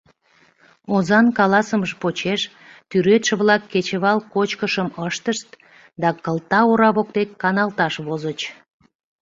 Озан каласымыж почеш тӱредше-влак кечывал кочкышым ыштышт да кылта ора воктек каналташ возыч.